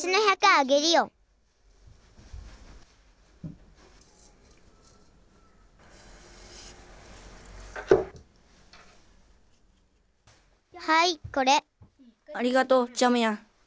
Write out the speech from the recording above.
ありがとうジャムヤン。